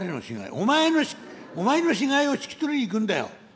「お前のお前の死骸を引き取りに行くんだよ」。